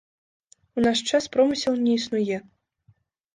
У наш час промысел не існуе.